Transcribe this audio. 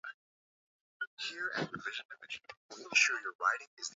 unapita katika maeneo oevu na kutengeneza Ziwa la muda la Ugala na Sagara